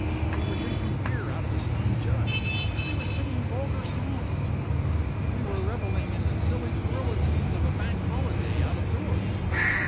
We were drinking beer out of a stone jug, we were singing vulgar songs, we were revelling in the silly puerilities of a bank holiday out of doors.